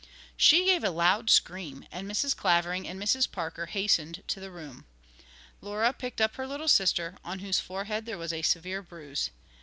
She gave a loud scream, and Mrs. Clavering and Mrs. Parker hastened to the room. Laura picked up her little sister, on whose forehead there was a severe bruise.